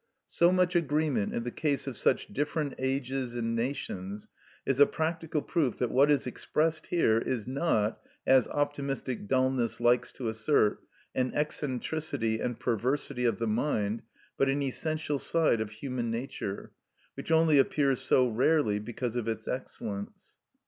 So much agreement in the case of such different ages and nations is a practical proof that what is expressed here is not, as optimistic dulness likes to assert, an eccentricity and perversity of the mind, but an essential side of human nature, which only appears so rarely because of its excellence.